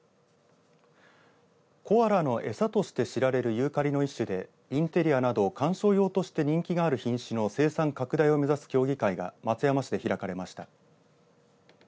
コアラの餌として知られるユーカリの一種でインテリアなど観賞用として人気がある品種の生産拡大を目指す協議会が松山市で開かれました。